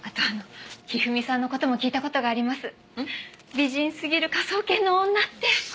美人すぎる科捜研の女って！